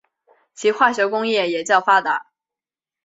其化学工业也较发达。